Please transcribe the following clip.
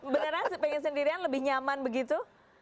beneran pengen sendirian lebih nyaman begitu